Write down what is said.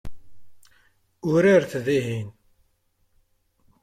Uraret dihin.